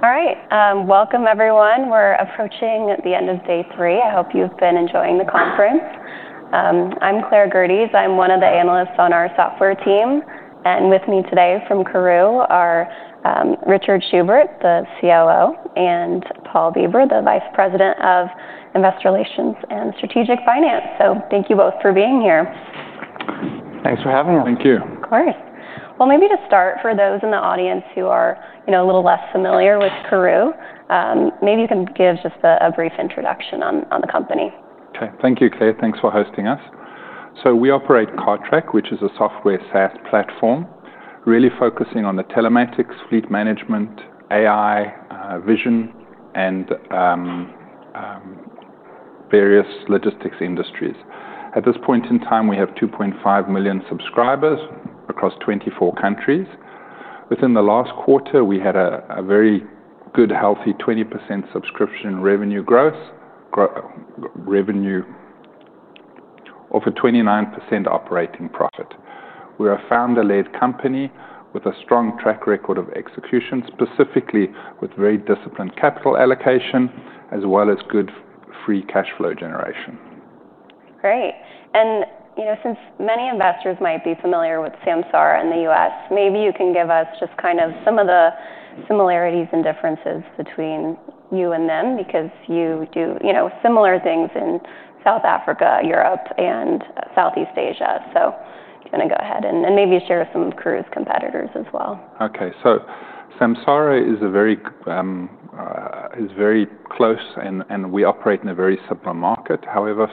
All right. Welcome everyone. We're approaching the end of day three. I hope you've been enjoying the conference. I'm Claire Gerdes. I'm one of the analysts on our software team. And with me today from Karooooo are Richard Schubert, the COO, and Paul Bieber, the Vice President of Investor Relations and Strategic Finance. So thank you both for being here. Thanks for having us. Thank you. Of course. Well, maybe to start, for those in the audience who are, you know, a little less familiar with Karoooo, maybe you can give just a brief introduction on the company. Okay. Thank you, Claire. Thanks for hosting us. So we operate Cartrack, which is a software SaaS platform, really focusing on the telematics, fleet management, AI, vision, and various logistics industries. At this point in time, we have 2.5 million subscribers across 24 countries. Within the last quarter, we had a very good, healthy 20% subscription revenue growth, growth revenue of a 29% operating profit. We're a founder-led company with a strong track record of execution, specifically with very disciplined capital allocation, as well as good free cash flow generation. Great. And, you know, since many investors might be familiar with Samsara in the U.S., maybe you can give us just kind of some of the similarities and differences between you and them, because you do, you know, similar things in South Africa, Europe, and Southeast Asia. So do you want to go ahead and maybe share some of Karooooo's competitors as well? Okay. So Samsara is very close, and we operate in a very similar market. However,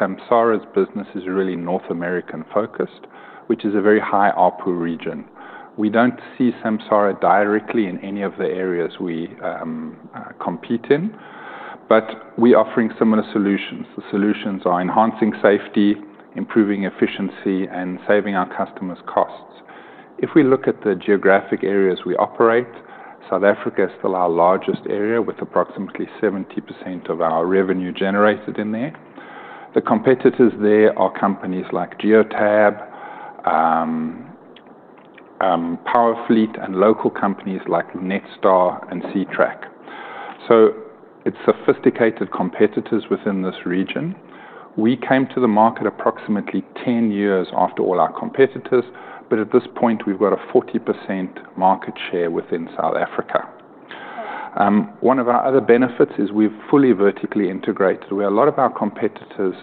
Samsara's business is really North American focused, which is a very high ARPU region. We don't see Samsara directly in any of the areas we compete in, but we're offering similar solutions. The solutions are enhancing safety, improving efficiency, and saving our customers' costs. If we look at the geographic areas we operate, South Africa is still our largest area with approximately 70% of our revenue generated in there. The competitors there are companies like Geotab, Powerfleet, and local companies like Netstar and Ctrack. So it's sophisticated competitors within this region. We came to the market approximately 10 years after all our competitors, but at this point, we've got a 40% market share within South Africa. One of our other benefits is we've fully vertically integrated, where a lot of our competitors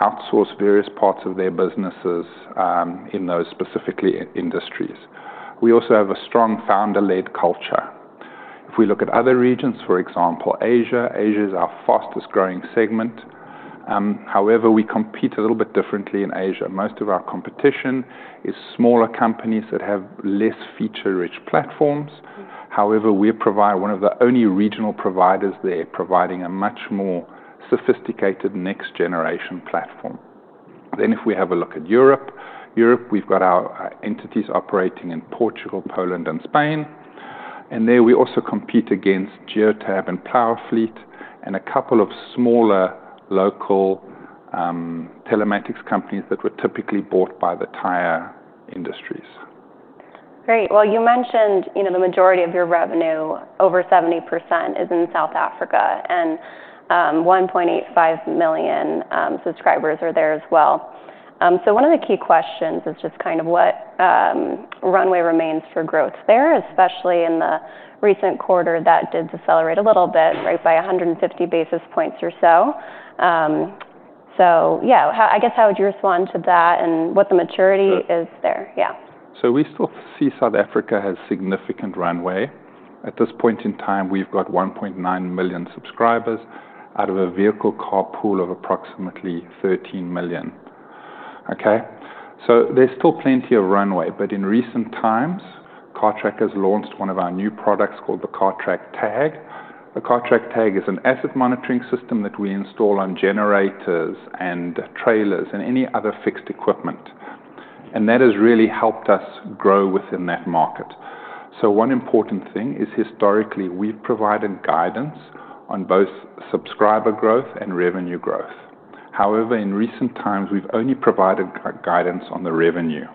outsource various parts of their businesses, in those specifically industries. We also have a strong founder-led culture. If we look at other regions, for example, Asia, Asia is our fastest growing segment. However, we compete a little bit differently in Asia. Most of our competition is smaller companies that have less feature-rich platforms. However, we provide one of the only regional providers there providing a much more sophisticated next-generation platform. Then if we have a look at Europe, Europe, we've got our entities operating in Portugal, Poland, and Spain, and there we also compete against Geotab and Powerfleet and a couple of smaller local telematics companies that were typically bought by the tire industries. Great. Well, you mentioned, you know, the majority of your revenue, over 70%, is in South Africa, and 1.85 million subscribers are there as well. So one of the key questions is just kind of what runway remains for growth there, especially in the recent quarter that did decelerate a little bit, right, by 150 basis points or so. So yeah, how, I guess, how would you respond to that and what the maturity is there? Yeah. We still see South Africa has significant runway. At this point in time, we've got 1.9 million subscribers out of a vehicle car pool of approximately 13 million. Okay? There's still plenty of runway, but in recent times, Cartrack has launched one of our new products called the Cartrack-Tag. The Cartrack-Tag is an asset monitoring system that we install on generators and trailers and any other fixed equipment. That has really helped us grow within that market. One important thing is historically we've provided guidance on both subscriber growth and revenue growth. However, in recent times, we've only provided guidance on the revenue.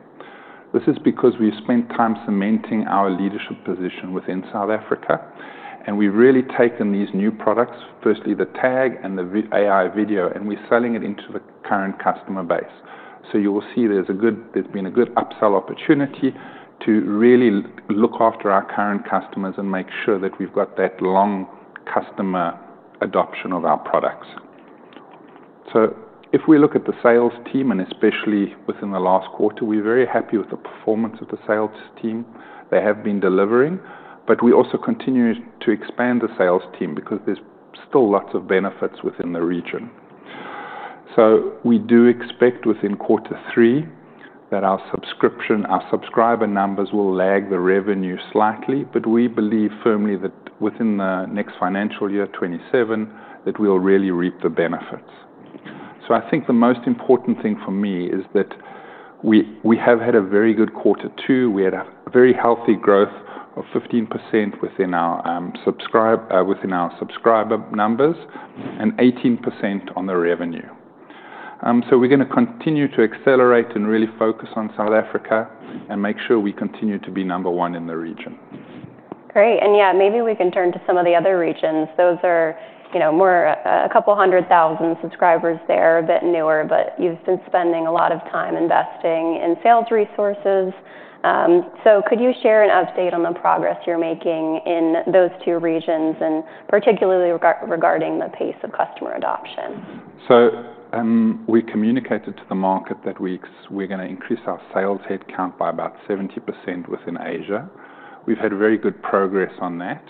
This is because we've spent time cementing our leadership position within South Africa, and we've really taken these new products, firstly the Tag and the AI video, and we're selling it into the current customer base. So you will see there's been a good upsell opportunity to really look after our current customers and make sure that we've got that long customer adoption of our products. So if we look at the sales team, and especially within the last quarter, we're very happy with the performance of the sales team. They have been delivering, but we also continue to expand the sales team because there's still lots of benefits within the region. So we do expect within quarter three that our subscription, our subscriber numbers will lag the revenue slightly, but we believe firmly that within the next financial year, 2027, that we'll really reap the benefits. So I think the most important thing for me is that we have had a very good quarter two. We had a very healthy growth of 15% within our subscriber numbers and 18% on the revenue, so we're going to continue to accelerate and really focus on South Africa and make sure we continue to be number one in the region. Great. And yeah, maybe we can turn to some of the other regions. Those are, you know, more, a couple hundred thousand subscribers there, a bit newer, but you've been spending a lot of time investing in sales resources, so could you share an update on the progress you're making in those two regions, and particularly regarding the pace of customer adoption? We communicated to the market that we're going to increase our sales headcount by about 70% within Asia. We've had very good progress on that.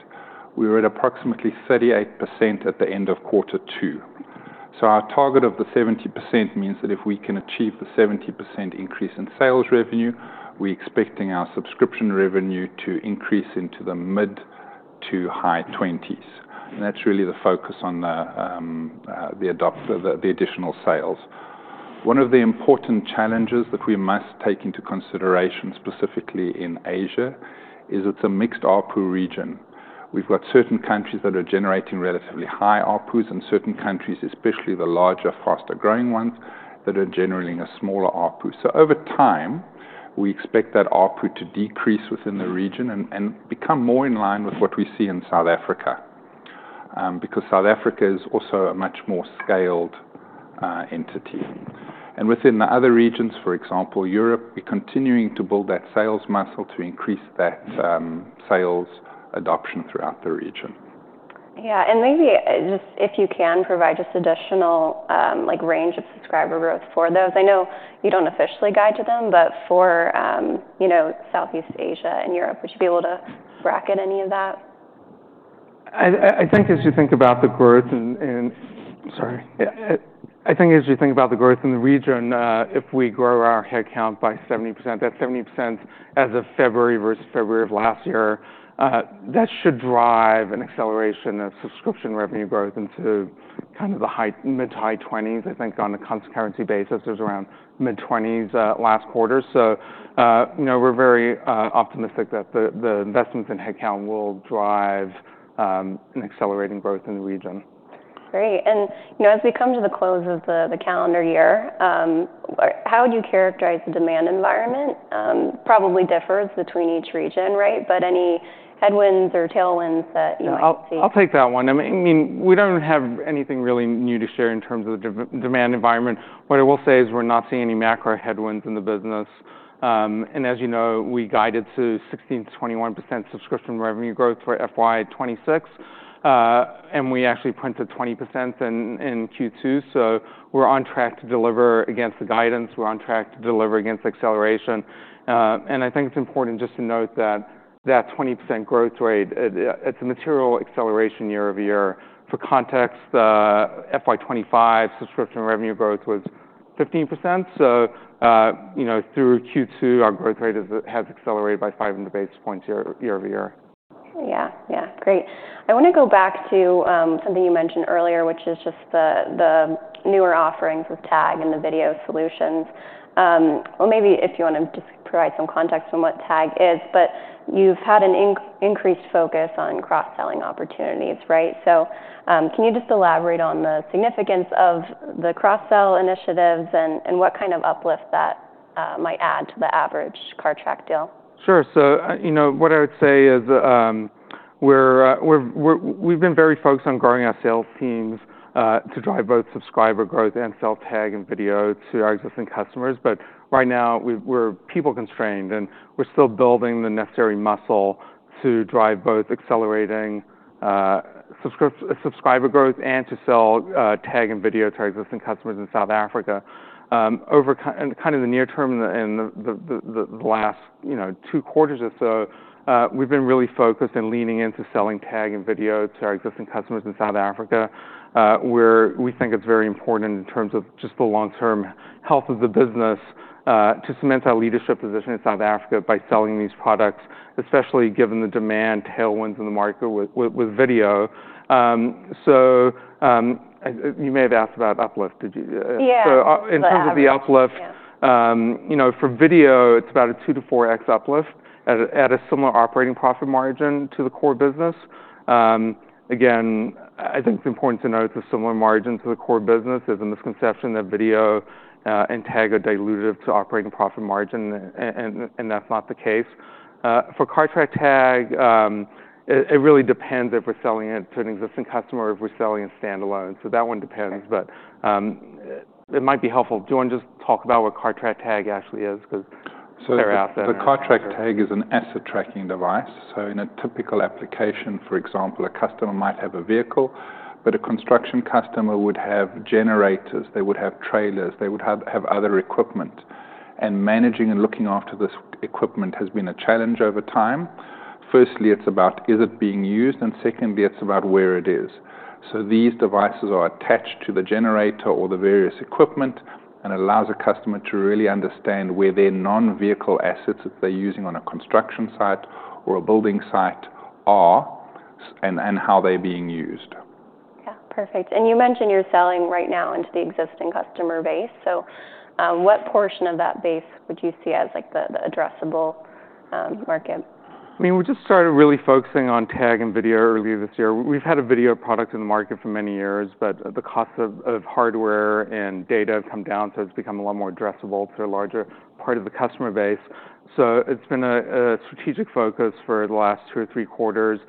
We were at approximately 38% at the end of quarter two. Our target of the 70% means that if we can achieve the 70% increase in sales revenue, we're expecting our subscription revenue to increase into the mid- to high 20s. That's really the focus on the adoption, the additional sales. One of the important challenges that we must take into consideration, specifically in Asia, is that it's a mixed ARPU region. We've got certain countries that are generating relatively high ARPU and certain countries, especially the larger, faster-growing ones, that are generating a smaller ARPU. So over time, we expect that ARPU to decrease within the region and become more in line with what we see in South Africa, because South Africa is also a much more scaled entity. And within the other regions, for example, Europe, we're continuing to build that sales muscle to increase that sales adoption throughout the region. Yeah. And maybe just if you can provide just additional, like, range of subscriber growth for those. I know you don't officially guide to them, but for, you know, Southeast Asia and Europe, would you be able to bracket any of that? I think as you think about the growth in the region, if we grow our headcount by 70%, that 70% as of February versus February of last year, that should drive an acceleration of subscription revenue growth into kind of the high, mid to high 20s. I think on a constant currency basis, there's around mid 20s, last quarter. So, you know, we're very optimistic that the investments in headcount will drive an accelerating growth in the region. Great. And, you know, as we come to the close of the calendar year, how would you characterize the demand environment? Probably differs between each region, right? But any headwinds or tailwinds that you might see? No, I'll take that one. I mean, we don't have anything really new to share in terms of the demand environment. What I will say is we're not seeing any macro headwinds in the business, and as you know, we guided to 16%-21% subscription revenue growth for FY 2026, and we actually printed 20% in Q2. So we're on track to deliver against the guidance. We're on track to deliver against acceleration, and I think it's important just to note that that 20% growth rate, it's a material acceleration year-over-year. For context, the FY 2025 subscription revenue growth was 15%. So, you know, through Q2, our growth rate has accelerated by five basis points year-over-year. Yeah. Yeah. Great. I want to go back to something you mentioned earlier, which is just the newer offerings of Tag and the video solutions, well, maybe if you want to just provide some context on what Tag is, but you've had an increased focus on cross-selling opportunities, right? So, can you just elaborate on the significance of the cross-sell initiatives and what kind of uplift that might add to the average Cartrack deal? Sure. So, you know, what I would say is, we've been very focused on growing our sales teams, to drive both subscriber growth and sell Tag and video to our existing customers. But right now, we're people constrained, and we're still building the necessary muscle to drive both accelerating subscriber growth and to sell Tag and video to our existing customers in South Africa. Over kind of the near term and the last, you know, two quarters or so, we've been really focused and leaning into selling Tag and video to our existing customers in South Africa, where we think it's very important in terms of just the long-term health of the business, to cement our leadership position in South Africa by selling these products, especially given the demand tailwinds in the market with video. So, you may have asked about uplift. Did you? Yeah. So in terms of the uplift, you know, for video, it's about a 2x-4x uplift at a similar operating profit margin to the core business. Again, I think it's important to note the similar margin to the core business is a misconception that video and Tag are dilutive to operating profit margin, and that's not the case. For Cartrack-Tag, it really depends if we're selling it to an existing customer or if we're selling it standalone. So that one depends, but it might be helpful. Do you want to just talk about what Cartrack-Tag actually is? Because they're out there. The Cartrack-Tag is an asset tracking device. In a typical application, for example, a customer might have a vehicle, but a construction customer would have generators. They would have trailers. They would have other equipment. And managing and looking after this equipment has been a challenge over time. Firstly, it's about is it being used, and secondly, it's about where it is. These devices are attached to the generator or the various equipment and allows a customer to really understand where their non-vehicle assets that they're using on a construction site or a building site are and how they're being used. Yeah. Perfect. And you mentioned you're selling right now into the existing customer base. So, what portion of that base would you see as like the addressable market? I mean, we just started really focusing on Tag and video earlier this year. We've had a video product in the market for many years, but the cost of hardware and data have come down, so it's become a lot more addressable to a larger part of the customer base. So it's been a strategic focus for the last two or three quarters.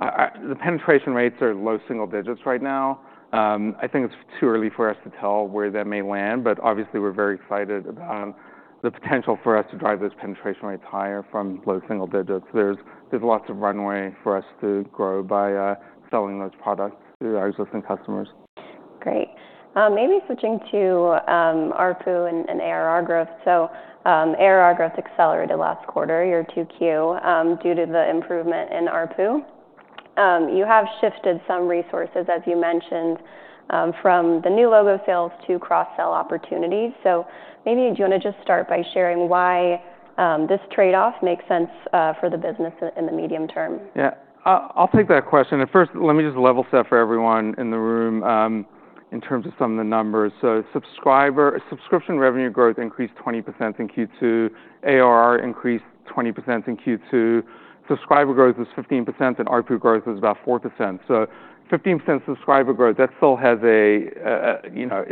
The penetration rates are low single digits right now. I think it's too early for us to tell where that may land, but obviously we're very excited about the potential for us to drive those penetration rates higher from low single digits. There's lots of runway for us to grow by selling those products to our existing customers. Great. Maybe switching to ARPU and ARR growth. So, ARR growth accelerated last quarter, year 2Q, due to the improvement in ARPU. You have shifted some resources, as you mentioned, from the new logo sales to cross-sell opportunities. So maybe do you want to just start by sharing why this trade-off makes sense for the business in the medium term? Yeah. I'll take that question. And first, let me just level set for everyone in the room, in terms of some of the numbers. So subscriber subscription revenue growth increased 20% in Q2. ARR increased 20% in Q2. Subscriber growth is 15%, and ARPU growth is about 4%. So 15% subscriber growth, that still has a, you know,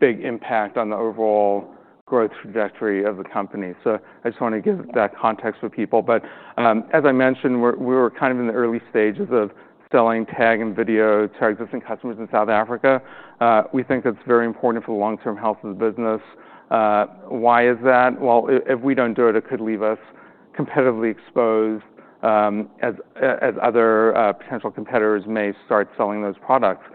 big impact on the overall growth trajectory of the company. So I just want to give that context for people. But, as I mentioned, we were kind of in the early stages of selling Tag and video to our existing customers in South Africa. We think that's very important for the long-term health of the business. Why is that? Well, if we don't do it, it could leave us competitively exposed, as other potential competitors may start selling those products.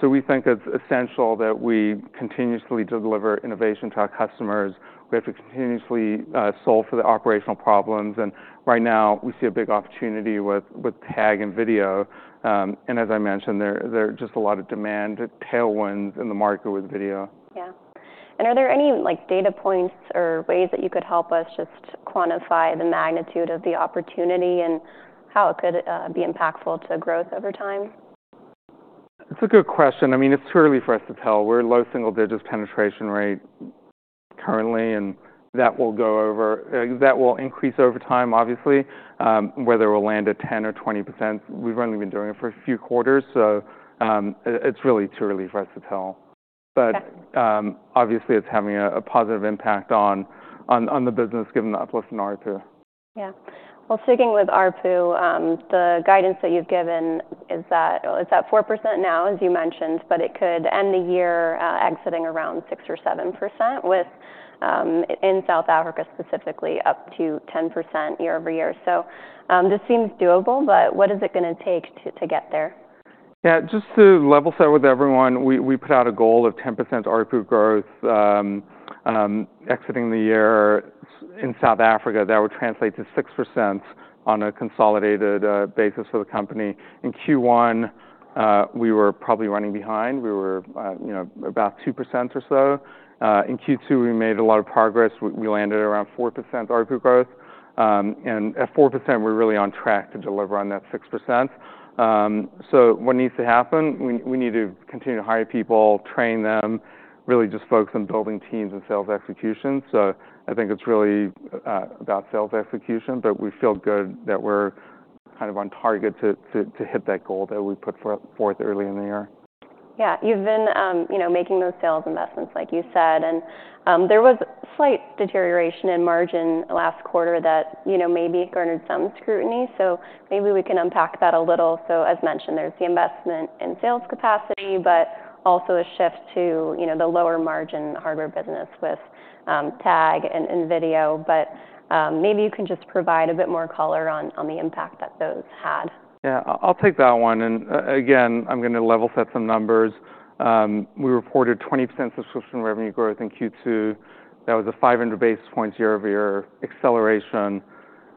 So we think it's essential that we continuously deliver innovation to our customers. We have to continuously solve for the operational problems. And right now, we see a big opportunity with Tag and video. And as I mentioned, there are just a lot of demand tailwinds in the market with video. Yeah. And are there any, like, data points or ways that you could help us just quantify the magnitude of the opportunity and how it could be impactful to growth over time? It's a good question. I mean, it's too early for us to tell. We're low single-digit penetration rate currently, and that will go over, that will increase over time, obviously, whether we'll land at 10% or 20%. We've only been doing it for a few quarters. So, it's really too early for us to tell. But, obviously, it's having a positive impact on the business given the uplift in ARPU. Yeah. Well, sticking with ARPU, the guidance that you've given is that, it's at 4% now, as you mentioned, but it could end the year, exiting around 6 or 7% with, in South Africa specifically up to 10% year-over-year. So, this seems doable, but what is it going to take to, to get there? Yeah. Just to level set with everyone, we, we put out a goal of 10% ARPU growth, exiting the year in South Africa. That would translate to 6% on a consolidated basis for the company. In Q1, we were probably running behind. We were, you know, about 2% or so. In Q2, we made a lot of progress. We, we landed around 4% ARPU growth. And at 4%, we're really on track to deliver on that 6%. So what needs to happen? We, we need to continue to hire people, train them, really just focus on building teams and sales execution. So I think it's really about sales execution, but we feel good that we're kind of on target to, to, to hit that goal that we put forth early in the year. Yeah. You've been, you know, making those sales investments, like you said, and there was slight deterioration in margin last quarter that, you know, maybe garnered some scrutiny. So maybe we can unpack that a little. So, as mentioned, there's the investment in sales capacity, but also a shift to, you know, the lower margin hardware business with Tag and video. But maybe you can just provide a bit more color on the impact that those had. Yeah. I'll take that one. And again, I'm going to level set some numbers. We reported 20% subscription revenue growth in Q2. That was a 500 basis points year-over-year acceleration.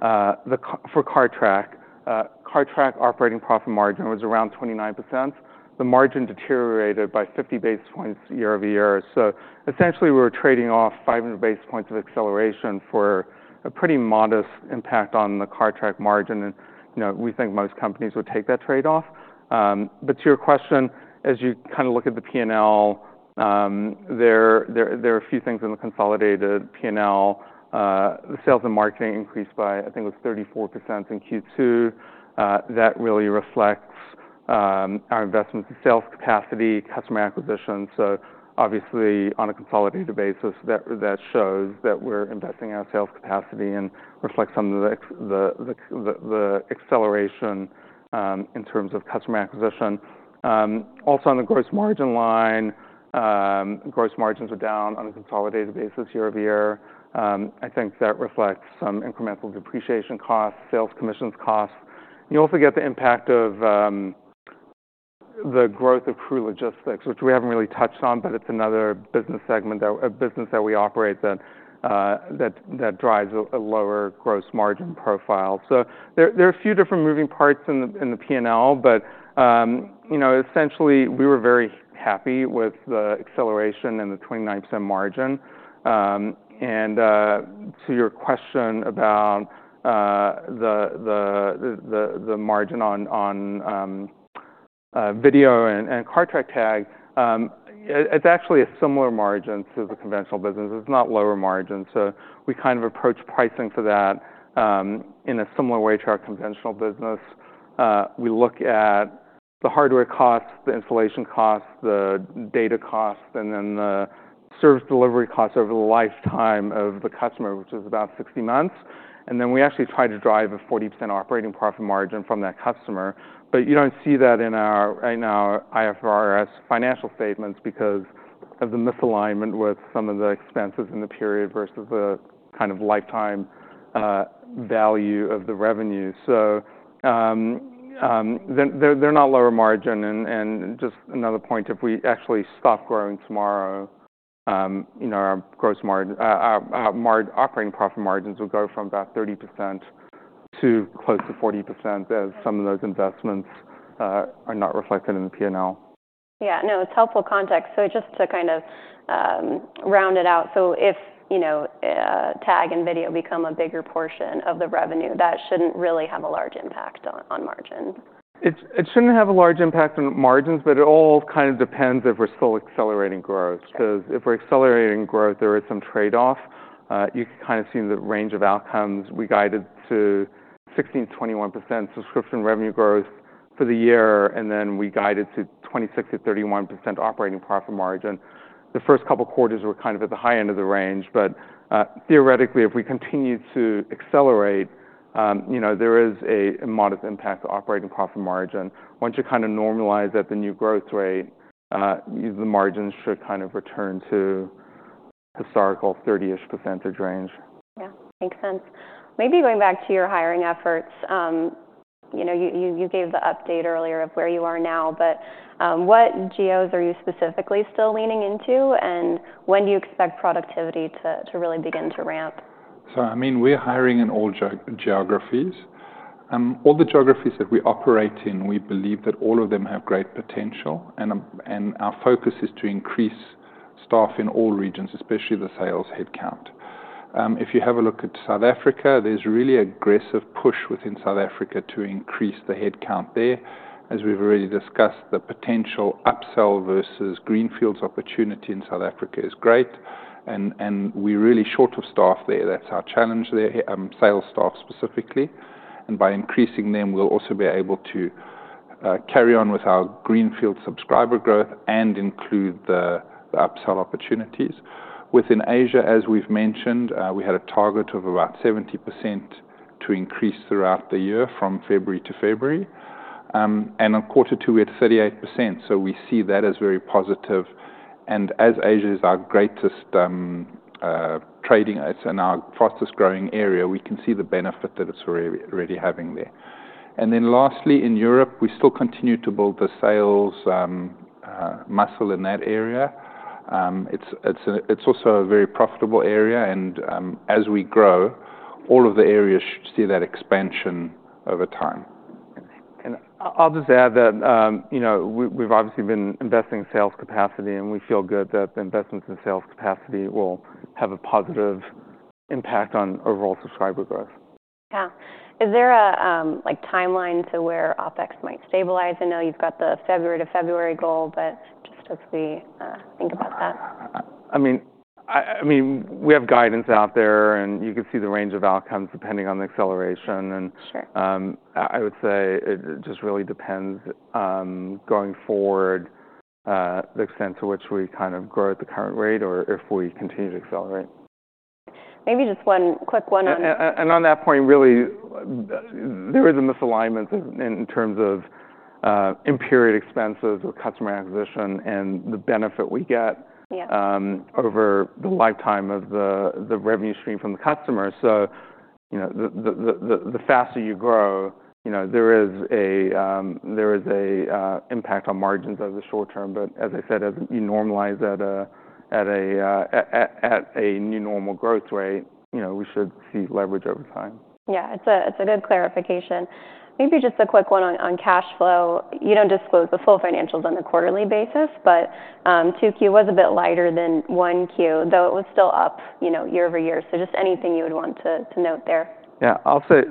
Then, for Cartrack, Cartrack operating profit margin was around 29%. The margin deteriorated by 50 basis points year-over-year. So essentially, we were trading off 500 basis points of acceleration for a pretty modest impact on the Cartrack margin. And, you know, we think most companies would take that trade-off. But to your question, as you kind of look at the P&L, there are a few things in the consolidated P&L. The sales and marketing increased by, I think it was 34% in Q2. That really reflects our investments in sales capacity, customer acquisition. So obviously, on a consolidated basis, that shows that we're investing in our sales capacity and reflects some of the acceleration in terms of customer acquisition. Also on the gross margin line, gross margins are down on a consolidated basis year-over-year. I think that reflects some incremental depreciation costs, sales commissions costs. You also get the impact of the growth of Karooooo Logistics, which we haven't really touched on, but it's another business segment that business that we operate that drives a lower gross margin profile. So there are a few different moving parts in the P&L, but you know, essentially, we were very happy with the acceleration and the 29% margin. And to your question about the margin on video and Cartrack-Tag, it's actually a similar margin to the conventional business. It's not lower margin. So we kind of approach pricing for that, in a similar way to our conventional business. We look at the hardware costs, the installation costs, the data costs, and then the service delivery costs over the lifetime of the customer, which is about 60 months. And then we actually try to drive a 40% operating profit margin from that customer. But you don't see that in our right now IFRS financial statements because of the misalignment with some of the expenses in the period versus the kind of lifetime value of the revenue. So they're not lower margin. And just another point, if we actually stop growing tomorrow, you know, our gross margin operating profit margins will go from about 30% to close to 40% as some of those investments are not reflected in the P&L. Yeah. No, it's helpful context. So just to kind of round it out, so if, you know, Tag and video become a bigger portion of the revenue, that shouldn't really have a large impact on margins. It shouldn't have a large impact on margins, but it all kind of depends if we're still accelerating growth. Because if we're accelerating growth, there is some trade-off. You can kind of see in the range of outcomes. We guided to 16%-21% subscription revenue growth for the year, and then we guided to 26%-31% operating profit margin. The first couple quarters were kind of at the high end of the range, but theoretically, if we continue to accelerate, you know, there is a modest impact to operating profit margin. Once you kind of normalize at the new growth rate, the margins should kind of return to historical 30-ish% range. Yeah. Makes sense. Maybe going back to your hiring efforts, you know, you gave the update earlier of where you are now, but what geos are you specifically still leaning into, and when do you expect productivity to really begin to ramp? I mean, we're hiring in all geographies. All the geographies that we operate in, we believe that all of them have great potential, and our focus is to increase staff in all regions, especially the sales headcount. If you have a look at South Africa, there's really aggressive push within South Africa to increase the headcount there. As we've already discussed, the potential upsell versus greenfield opportunity in South Africa is great. We're really short of staff there. That's our challenge there, sales staff specifically. By increasing them, we'll also be able to carry on with our greenfield subscriber growth and include the upsell opportunities. Within Asia, as we've mentioned, we had a target of about 70% to increase throughout the year from February to February. On quarter two, we had 38%. We see that as very positive. And as Asia is our greatest trading, it's in our fastest growing area, we can see the benefit that it's already having there. And then lastly, in Europe, we still continue to build the sales muscle in that area. It's also a very profitable area. And as we grow, all of the areas should see that expansion over time. I'll just add that, you know, we've obviously been investing in sales capacity, and we feel good that the investments in sales capacity will have a positive impact on overall subscriber growth. Yeah. Is there a, like, timeline to where OpEx might stabilize? I know you've got the February to February goal, but just as we think about that. I mean, we have guidance out there, and you can see the range of outcomes depending on the acceleration, and I would say it just really depends, going forward, the extent to which we kind of grow at the current rate or if we continue to accelerate. Maybe just one quick one on. On that point, really, there is a misalignment in terms of impaired expenses or customer acquisition and the benefit we get. Yeah. Over the lifetime of the revenue stream from the customer. So, you know, the faster you grow, you know, there is a impact on margins over the short term. But as I said, as you normalize at a new normal growth rate, you know, we should see leverage over time. Yeah. It's a good clarification. Maybe just a quick one on cash flow. You don't disclose the full financials on a quarterly basis, but 2Q was a bit lighter than 1Q, though it was still up, you know, year-over-year. So just anything you would want to note there. Yeah. I'll say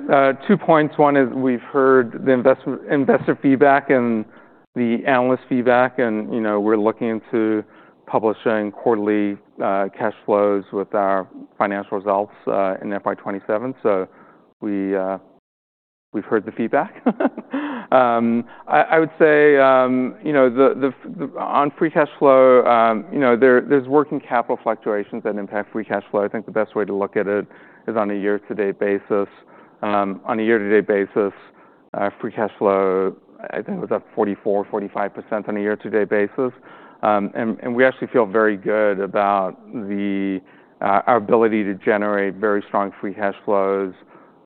two points. One is we've heard the investor feedback and the analyst feedback, and, you know, we're looking into publishing quarterly cash flows with our financial results in FY 2027. So we've heard the feedback. I would say, you know, the on free cash flow, you know, there's working capital fluctuations that impact free cash flow. I think the best way to look at it is on a year-to-date basis. On a year-to-date basis, free cash flow, I think it was at 44%-45% on a year-to-date basis. And we actually feel very good about our ability to generate very strong free cash flows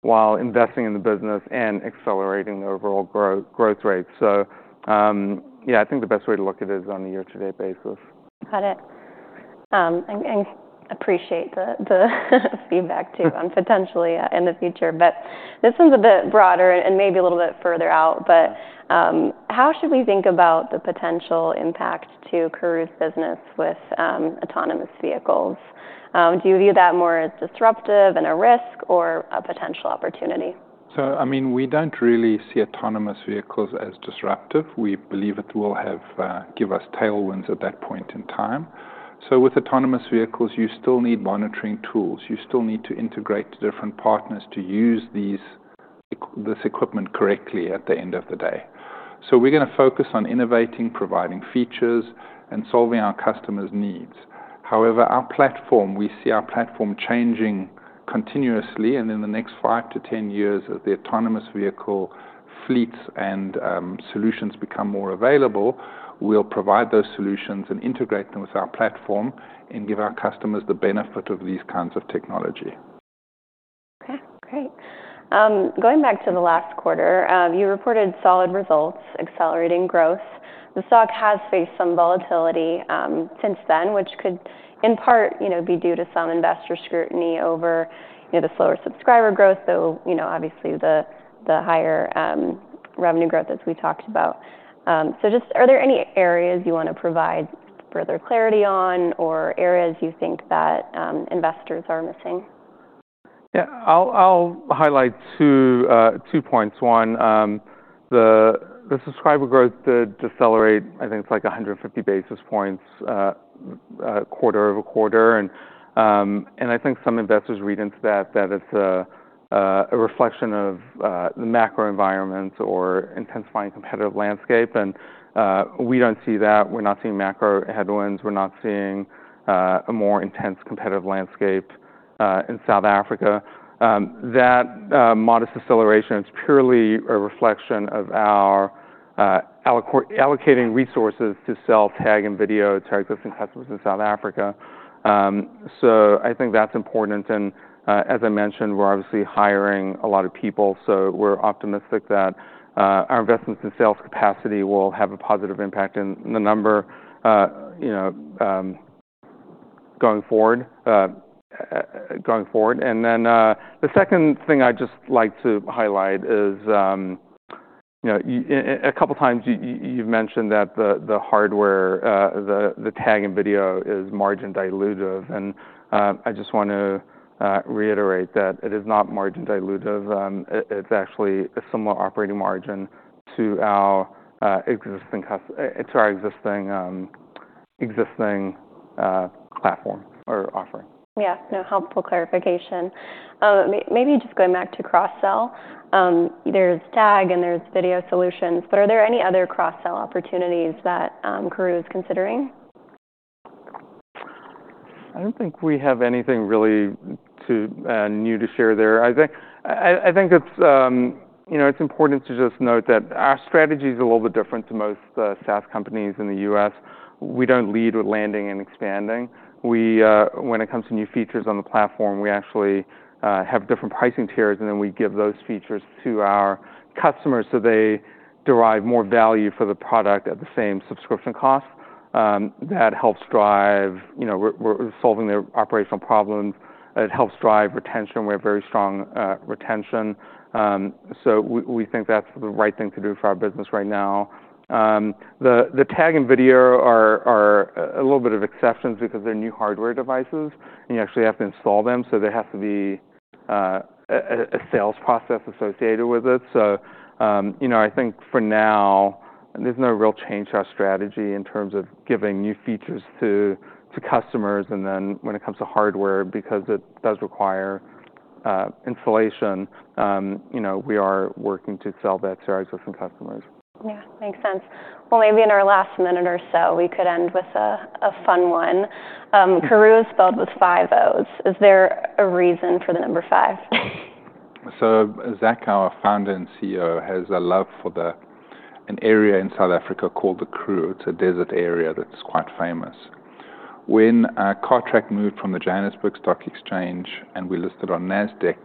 while investing in the business and accelerating the overall growth rate. So, yeah, I think the best way to look at it is on a year-to-date basis. Got it. And appreciate the feedback too on potentially in the future. But this one's a bit broader and maybe a little bit further out, but how should we think about the potential impact to Karooooo's business with autonomous vehicles? Do you view that more as disruptive and a risk or a potential opportunity? So, I mean, we don't really see autonomous vehicles as disruptive. We believe it will have, give us tailwinds at that point in time. So with autonomous vehicles, you still need monitoring tools. You still need to integrate different partners to use these, this equipment correctly at the end of the day. So we're going to focus on innovating, providing features, and solving our customers' needs. However, our platform, we see our platform changing continuously. And in the next five to 10 years, as the autonomous vehicle fleets and solutions become more available, we'll provide those solutions and integrate them with our platform and give our customers the benefit of these kinds of technology. Okay. Great. Going back to the last quarter, you reported solid results, accelerating growth. The stock has faced some volatility since then, which could in part, you know, be due to some investor scrutiny over, you know, the slower subscriber growth, though, you know, obviously the higher revenue growth as we talked about. So just, are there any areas you want to provide further clarity on or areas you think that investors are missing? Yeah. I'll highlight two points. One, the subscriber growth did decelerate. I think it's like 150 basis points, quarter over quarter. And I think some investors read into that that it's a reflection of the macro environment or intensifying competitive landscape. And we don't see that. We're not seeing macro headwinds. We're not seeing a more intense competitive landscape in South Africa. That modest acceleration is purely a reflection of our allocating resources to sell Tag and video to our existing customers in South Africa. So I think that's important. And as I mentioned, we're obviously hiring a lot of people. So we're optimistic that our investments in sales capacity will have a positive impact in the number, you know, going forward. Then, the second thing I'd just like to highlight is, you know, a couple times you've mentioned that the hardware, the Tag and video is margin dilutive. I just want to reiterate that it is not margin dilutive. It's actually a similar operating margin to our existing customer, to our existing platform or offering. Yeah. No, helpful clarification. Maybe just going back to cross-sell, there's Tag and there's video solutions, but are there any other cross-sell opportunities that Karooooo is considering? I don't think we have anything really new to share there. I think it's, you know, it's important to just note that our strategy is a little bit different to most SaaS companies in the U.S. We don't lead with landing and expanding. We, when it comes to new features on the platform, we actually have different pricing tiers, and then we give those features to our customers so they derive more value for the product at the same subscription cost. That helps drive, you know, we're solving their operational problems. It helps drive retention. We have very strong retention. So we think that's the right thing to do for our business right now. The Tag and video are a little bit of exceptions because they're new hardware devices, and you actually have to install them. So there has to be a sales process associated with it. So, you know, I think for now, there's no real change to our strategy in terms of giving new features to customers. And then when it comes to hardware, because it does require installation, you know, we are working to sell that to our existing customers. Yeah. Makes sense. Well, maybe in our last minute or so, we could end with a fun one. Karooooo is spelled with five O's. Is there a reason for the number five? Zak Calisto, our founder and CEO, has a love for an area in South Africa called the Karoo. It's a desert area that's quite famous. When our contract moved from the Johannesburg Stock Exchange and we listed on Nasdaq,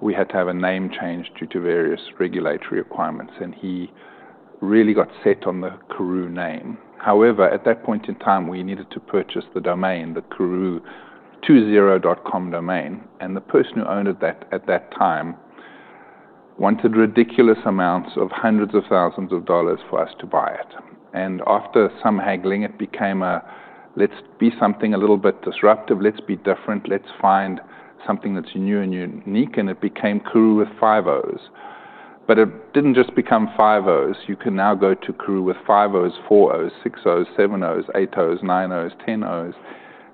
we had to have a name change due to various regulatory requirements, and he really got set on the Karoo name. However, at that point in time, we needed to purchase the domain, the Karoo.com domain. The person who owned it at that time wanted ridiculous amounts of hundreds of thousands of dollars for us to buy it. After some haggling, it became a, let's be something a little bit disruptive, let's be different, let's find something that's new and unique. It became Karooooo with five O's. But it didn't just become five O's. You can now go to Karooooo with five O's, four O's, six O's, seven O's, eight O's, nine O's, 10 O's,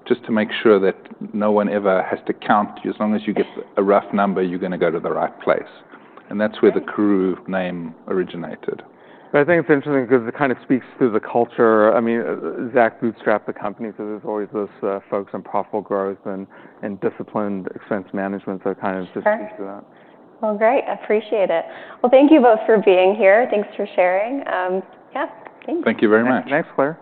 just to make sure that no one ever has to count you. As long as you get a rough number, you're going to go to the right place. And that's where the Karooooo name originated. I think it's interesting because it kind of speaks to the culture. I mean, Zak bootstrapped the company because there's always those folks on profitable growth and disciplined expense management. So it kind of just speaks to that. Great. Appreciate it. Thank you both for being here. Thanks for sharing. Yeah. Thank you. Thank you very much. Thanks, Claire.